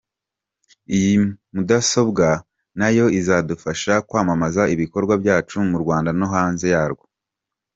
Iyi mudasobwa nayo izadufasha kwamamaza ibikorwa byacu mu Rwanda no hanze yarwo.